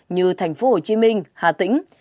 như tp hcm hà tĩnh